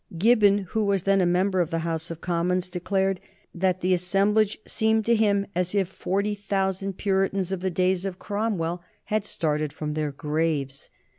Gibbon, who was then a member of the House of Commons, declared that the assemblage seemed to him as if forty thousand Puritans of the days of Cromwell had started from their graves.